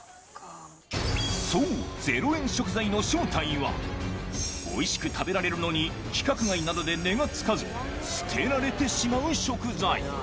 そう、０円食材の正体は、おいしく食べられるのに規格外などで値がつかず、捨てられてしまう食材。